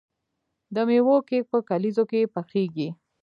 د میوو کیک په کلیزو کې پخیږي.